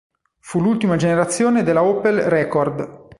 Fu l'ultima generazione della Opel Rekord.